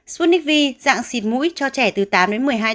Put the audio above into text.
sputnik v dạng xịt mũi cho trẻ từ tám đến một mươi hai tuổi